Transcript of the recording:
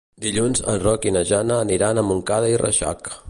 Dilluns en Roc i na Jana aniran a Montcada i Reixac.